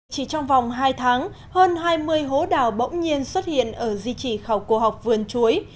chỉ trong vòng hai tháng hơn hai mươi hố đào bỗng nhiên xuất hiện ở di chỉ khảo cổ học vườn chuối